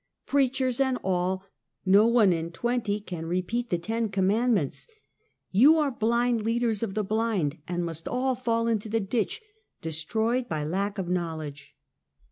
Preachers and all, not one in twenty can repeat the ten commandments. You are blind leaders of the blind, and must all fall into the ditch, destroyed for lack of knowledge!"